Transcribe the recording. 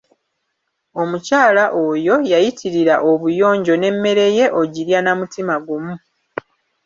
Omukyala oyo yayitirira obuyonjo n'emmere ye ogirya na mutima gumu.